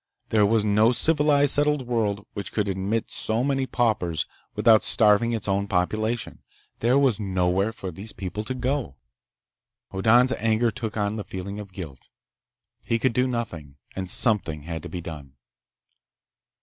There was no civilized, settled world which could admit so many paupers without starving its own population. There was nowhere for these people to go! Hoddan's anger took on the feeling of guilt. He could do nothing, and something had to be done.